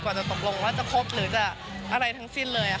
กว่าจะตกลงแล้วจะคบหรือจะอะไรทั้งสิ้นเลยอะ